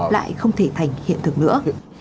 lại không thể thành hiện thực nữa